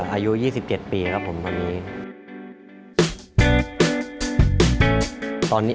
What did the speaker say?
อายุ๒๗ปีครับผมคนนี้